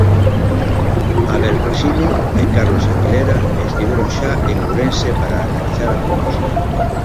Abel Resino e Carlos Aguilera estiveron xa en Ourense para analizar a proposta.